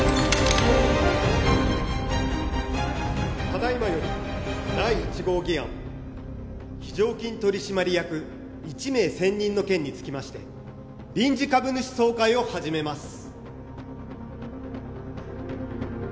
ただ今より第一号議案非常勤取締役一名選任の件につきまして臨時株主総会を始めます。